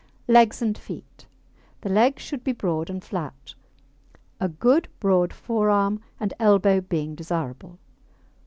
LEGS AND FEET The legs should be broad and flat, a good broad forearm and elbow being desirable.